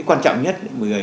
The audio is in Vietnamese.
quan trọng nhất